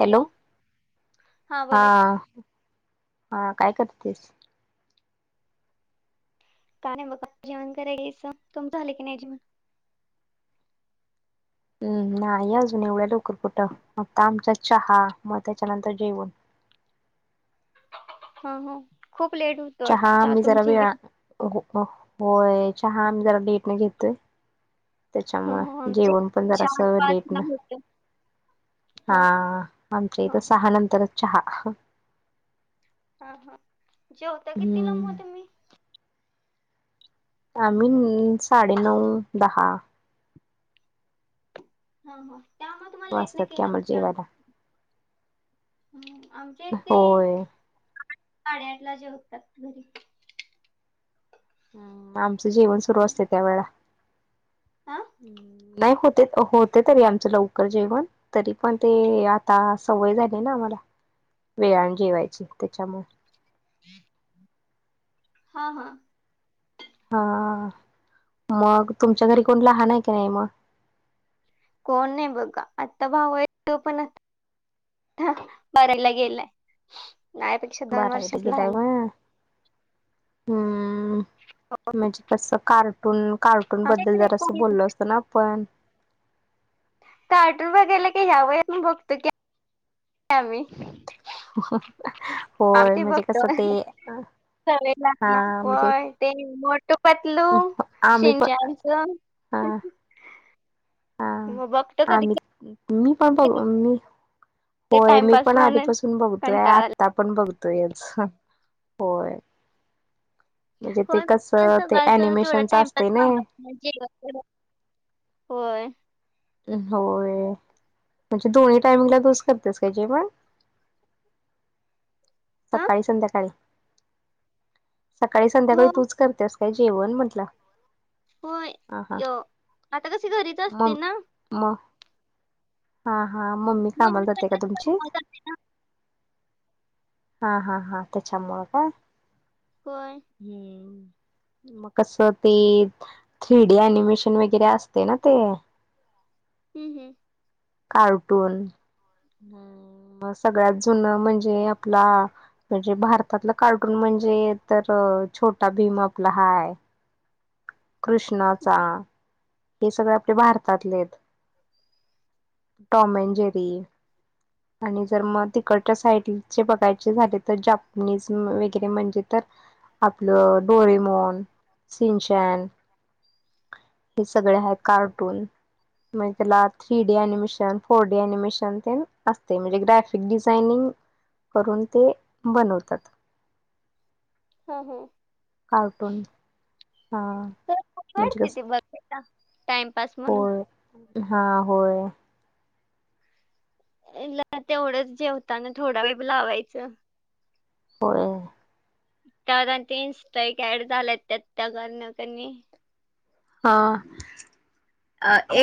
Hello. हा हा काय करतेस? काय नाही बघा जेवण करायले तुमच झालं की नाही जेवण? हम्म. नाही अजून, एवढ्या लवकर कुठं आत्ता आमच्यात चहा मग त्याच्यानंतर जेवण. हा हा खूप लेट होत चहा आम्ही जरा वेळा हो हो होय चहा आम्ही जरा लेटने घेतोय. हा त्याच्यामुळ हो आमचे जेवण पण चार जरासं पाच लेट ला न होत हा आमच्या हा इथ सहा नंतरच चहा. हा हा जेवता कितीला हम्म म तुम्ही? आम्ही साडे नऊ दहा. हा हा. त्यामुळे तुम्हाला लेट नाही वाजत्यात की केलं आम्हाला तर चालत जेवायला. हम्म आमच्या इथे होय साडेआठ ला जेवतात घरी. हम्म. आम आमचं जेवण सुरू असतंय त्यावेळेला हा हम्म नाही होतंय होत तंय तरी आमचं लवकर जेवण तरी पण ते आता सवय झालेय ना आम्हाला. वेळाण जेवायची त्याच्यामुळे. ह हा हा हा मग तुमच्या घरी कोण लहान आहे काय मग? कोण नाही बघा आता भाऊ आहे तो पण हं बारावीला गेलाय. माझ्यापेक्षा दोन बारावीला वर्षांन गेलाय लहान आहे. व्हय हम्म म्हणजे कस कार्टून कार्ट र्टून आमच्या बद्दल इकडे कोण जरासं येतं? बोललो असतो ना आपण. कार्टून बघायला की ह्या वयात पण बघतोय की आम्ही. हं हं. आ ते बघतोय सवय हा लागल्या म्हणजे होय. ते मोटू पतलू, आम्ही पण शिंच्यानचं हा कधी आम्ही मी पण बघ कधी मी ते होय मी टाइमपास पण म्हणून आधीपासून बघतोय कंटाळा आला आत्ता पण बघतोयच हं होय. म्हणजे ते होय म कसं ते सकाळच तेवढा अनिमेशनच असते टाइमपास ना काम म जेवण करत. होय. होय म्हणजे दोन्ही टाइमिंगला तुचं करत्यास काय जेवण. हा सकाळी संध्याकाळी. सकाळी संध्याकाळी हो तूच करत्यास काय जेवण म्हंटलं? होय य आता कसे घरीच असते ना. म हा हा मम्मी कामाला पण जात्या काय कसं तुमची? [unintelligible] हा हा हा त्याच्यामुळ काय. होय हम्म मग कसं ते थ्रीडी अनिमेशन वगैरे असते ना ते. [inaudible] हम्.. हम्.. कार्टून अ म सगळ्यात जुनं म्हणजे. [unintelligible] [inaudible] ह म्हणजे भारतातला कार्टून म्हणजे, तर छोटा भीम आपला हाय. कृष्णाचा. हे सगळे आपले भारतातले आहेत. टॉम [inaudible] अन जेरी. [inaudible] आणि जर मग तिकडच्या साईडचे बघायचे झाले. तर जापनीज वगैरे म्हणजे तर आपलं डोरेमोन, सिंचन. हे सगळे आहे कार्टून. मग त्याला three D [inaudible] animation four D [inaudible] animation ते असते म्हणजे. ग्राफिक डिझाइनिंग करून ते बनवतात. हा. हा. कार्टून. हा [inaudible] तर [inaudible] म्हणजे वाडते कसं ते बघ टाइमपास म्हणून. होय हा होय. [inaudible] ल तेवढंच जेवताना थोडा वेब लावायचं. [inaudible] हो त्या आणि [inaudible] ते इं्स्टा एक ऍड झाल्यात त्यात त्या कारण [inaudible] कणी हा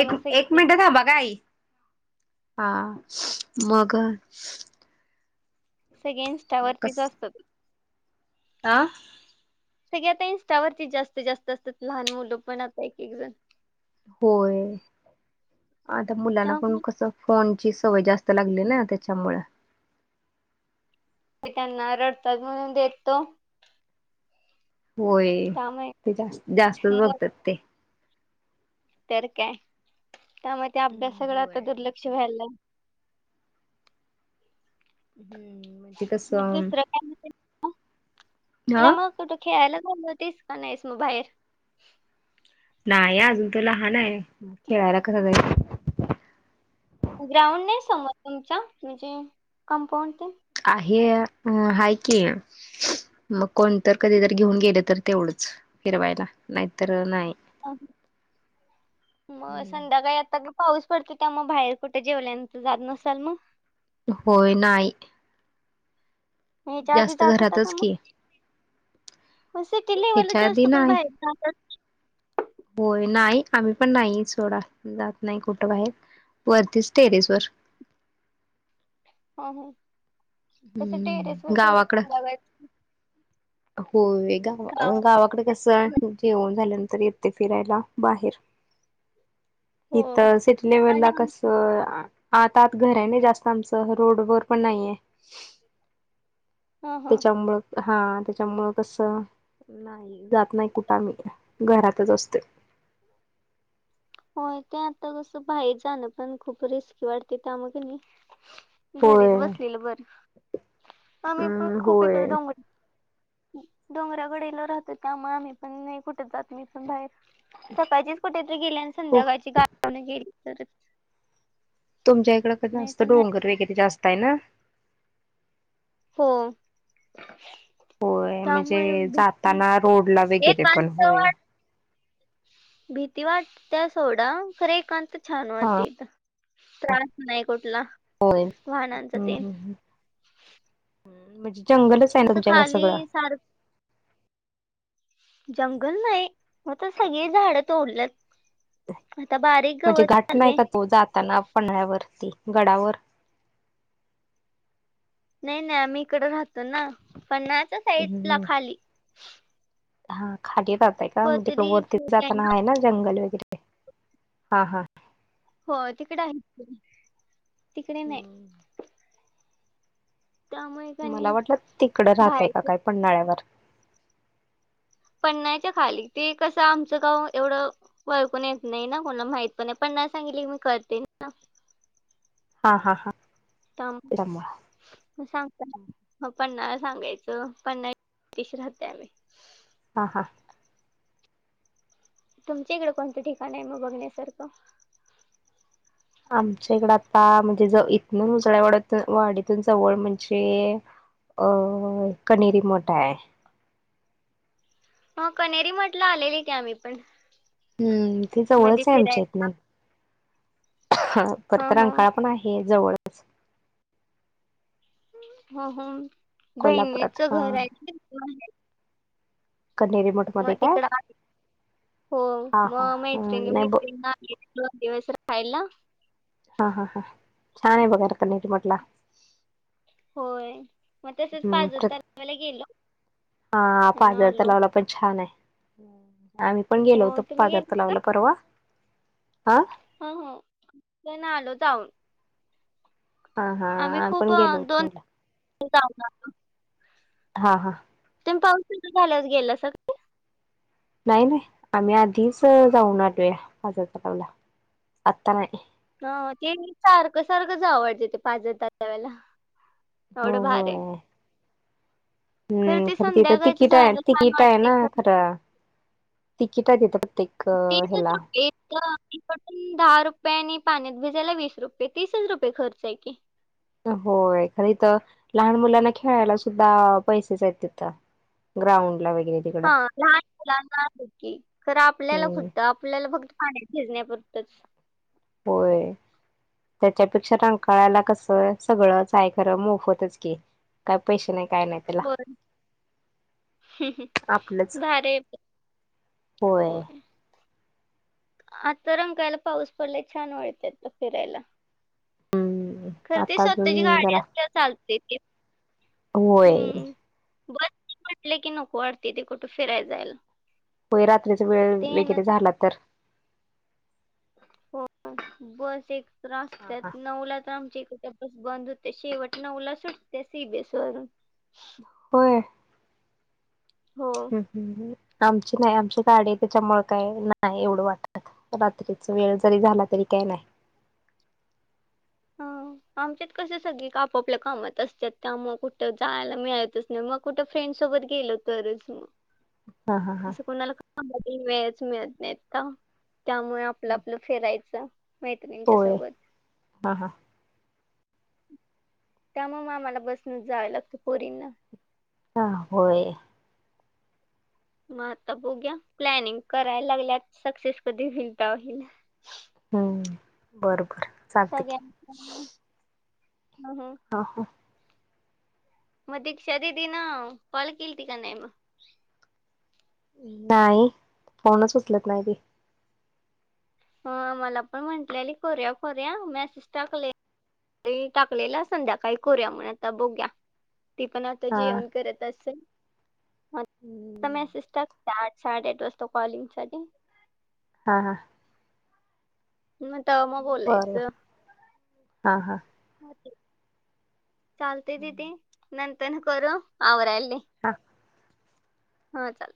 एक, एक सगळे मिनट [inaudible] का बाकी [inaudible] का हा मग. सगळे इन्स्टा वरतीच असतात. आं. सग आता इन्स्टावरती जास्तीत जास्त असतात. लहान मुलं पण आता एक, एक जण. होय, आता मुलांना पण त्यामुळे कसं फोनची सवय जास्त लागली ना त्याच्यामुळे. ते त्यांना रडतात म्हणून [inaudible] देत तो होय, त्यामुळे ते जास्त जास्तच मग बघतात. ते तर काय, त्यामुळे त्या हम्म अभ्यासागळं होय आता दुर्लक्ष व्हायला. हम्म [inaudible] म्ज कस. मग त्याला मग कुठं खेळायला [inaudible] झातीस का नाहीस मग बाहेर. नाही अजून त लहान आहे. खेळायला कसं जाय. ग्राउंड नाही समोर तुमचा म्हणजे कंपाऊंड ते. आहे. अ आहे की. मग कोणत [inaudible] कधी जर घेऊन गेले तर तेवढंच फिरवायला नाहीतर नाही. मग संध्याकाळी आता पाऊस पडतो त्या [inaudible] मग बाहेर कुठे जेवल्यानंत जात नसाल मग. होय नाही. मीजाधी जास्त जात होता का घरातच मग. की [inaudible] असं की लेवल ह्याच्या आधी जास्त कोण नाही बाहेर [inaudible] होय नाही आम्ही पण नाही सोडा, जात नाही कुठं बाहेर वरतीच टेरेस वर ह कसं टेरेस हम्म वर [inaudible] गावाकडं डव होय गाव गावात गावाकडे कस जेवन झाल्यानंतर येते फिरायला बाहेर. हो इथं सिटी लेवल आणि ला कसं? आत आत घर आहे नाही जास्त आमचं, रोड वर पण नाहीये हा हा त्याच्यामुळं हा, त्याच्यामुळं कसं जात नाही कुठं आम्ही घरातचं असते. होय, ते आता कसं बाहेर जाणं पण खूप रिस्की वाटते त्यामुळं किनी घरीच होय बसलेलं बरं. अ आम्ही पण खूप होय इकडे डोंगर डोंगराकडेला राहतो. त्यामुळे आम्ही पण नाही कुठे जात, मी पण बाहेर. सकाळचीच कुठेतरी गेली आणि हो संध्याकाळची गाडीवरून गेली तरच तुमच्या इकडं कसं असतं, डोंगर वगैरे जास्त आहे ना? हो. होय त्यामुळे म्हणजे भी- जाताना रोडला एक वगैरे पण, होय. माणसं भीती वाटत्या सोडा, खरं एकांत छान हा वाटते इथं. त्रास नाही कुठला, वाहनांचा तेन. ह म्हणजे जंगलच आहे, कसं तुमच्याकडे खाली सगळं. सार जंगल नाही, मात्र सगळी झाडं तोडल्यात. आता बारीक गवत आले. हो जाताना पन्हाळ्यावरती गडावर नाही ना. आम्ही इकडं राहतो ना, पन्हाळ्याच्या साईड ला हम्म खाली. हा खाली रहाताय का? मग तिकडं वरती जाता आहे ना, जंगल वगैरे. हा हा. हो तिकडं आहे तिकडे नाही हम्म. त्यामुळे मला कणी वाटलं तिकडं राहताय का बाहेर काय? पन्हाळ्यावर? पन्हाळ्याच्या खाली, ते कसं आमचं गाव एवढं वळकून येत नाही ना, कोणाला माहित पण नाही. पन्हाळा सांगितले की मग कळतंय. हा हा हा. थांब. त्यामुळ मग सांगताना पन्हाळा सांगायचं, पन्हाळ्या... थ्याशी राहते आम्ही. हां हां. तुमच्या इकडे, कोणतं ठिकाण आहे मग बघण्यासारखं? आमच्या इकडं आता म्हणजे ज इथनं, उजळ्याईवाड्यात वाडीतून जवळ म्हणजे अ कणेरी मठ आहे. मग कणेरी मठला, आलेले की आम्हीपण. हम्म. ते जवळच आहे, आमच्या इथनं. हो परत हो रंकाळा पण आहे जवळच. हं हं, कोल्हापुरात बहिणीचं हा घर आहे [unintelligible] कणेरी मठ मध्ये मग काय तिकडं आले...... हो, हा हा मग मैत्रिणी नाही ब मैत्रिणी आले दोन दिवस राहिला हा हा हा. छान आहे बघायला, कणेरी मठला. होय मग तसंच हम्म पाजर प्र तलावाला गेलो, हा अन् मग पाझर आलो. तलावला पण छान आहे. आम्ही पण हो गेलो होतो तुम्ही पाजर गेले तलावला परवा. आ? हं हं, पण आलो जाऊन. हा हा. आम्ही खूप पण गेलो अं, होतो दोन म्हणलं. [unintelligible] हा हा. तुम्ही पाऊस सुरू झाल्यास गेला असतसा की? नाही, नाही आम्ही आधीस जाऊन आलोय पाझर तलावाला आता नाही. हा तेनी सारखं, सारखंच जाव वाटतय ते पाझरतलावाला हो एवढं भार आहे. होय हम्म, ते खरं तिथं संध्याकाळचं तिकीट आहे जायला छान तिकीट आहे वाटते ना खरं. तिकीट आहे तिथ प्रत्येक तिसच ह्याला रुपये इकडून दहा रुपये आणि पाण्यात भिजायला वीस रुपये तीसच रुपये खर्च आहे की. होय खर इथ लहान मुलांना खेळायला सुद्धा पैसेच आहेत तिथं. ग्राउंड ला वगैरे तिकडं हा लहान मुलांना हायत की खरं आपल्याला हम्म कुठ आपल्याला फक्त आणि भिजण्यापुरतच. होय. त्याच्यापेक्षा रंकाळ्याला कसं सगळंच आहे खरं मोफतच की. काय पैसे नाही काय नाही. त्याला होय आपलंच [inaudible] भारी ये ते. होय. आता रंकाळ्याला पाऊस पडलाय छान वाटत फिरायला. हम्म खर ते आता स्वतःची अजून गाडी जरा असल्यावर चालतय की. होय. बसनी म्हटले की नको वाटतय तेे कुठे फिराय जायला. होई रात्रीचा वेळ ते ना वगैरे झाला तर. हो बस एक तर [unintelligible] हा हा असत्यात नऊला तर आमच्या इकड बंद होते शेवट नउला सुटते सी बि एस वरून. होय. हो. हम्म आमची नाही आमची गाडी त्याच्यामुळे काय नाही एवढं वाटत. रात्रीचा वेळ जरी झाला तरी काही नाही. हा ह [inaudible] आमच्यात कसे सगळे आप आपल्या कामात असतात त्यामुळ कुठे जायला मिळत. मग कुठे फ्रेंड सोबत गेल तरच मग. हा हा हा कस कोणाला [unintelligible] वेळच मिळत नाहीत का त्यामुळे आपलं आपलं फिरायचं मैत्रिणींच्या होय सोबत. हा हां. त्यामुळं मग आम्हाला बसनच जावं लागतं पोरींना. हा होय. मग आता बघुया प्लॅनिंग करायला लागल्या सक्सेस कधी होईन तवा हुइल. हम्म, बरोबर. सगळ्यां [unintelligible] हम्म, हम्म. ह हो. [unintelligible] मग दिक्षा दिदी ना काॅल केल ती का नाही म? नाही फोणच उचलत नाही ती. ह मला पण म्हटली कोऱ्या कोऱ्या मॅसेज टाकले. तिनी टाकलेलं संध्याकाळी करूया म्हण आता बघुया. ती पणं आंता हा जेवणं करतं असेल मि सात साडेआठ वाजतां कॉलिंग साठी हां हां मं तरं मंग बर बर बोलायचं हा हा हो चालतेय तीदी नंतर करूं आवरांयलाली हां हां आंता